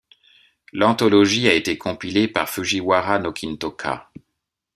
L'anthologie a été compilée par Fujiwara no Kintō ca.